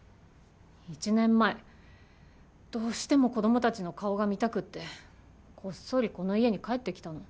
１年前どうしても子どもたちの顔が見たくてこっそりこの家に帰ってきたの。